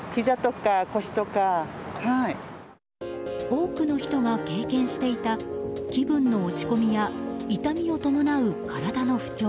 多くの人が経験していた気分の落ち込みや痛みを伴う体の不調。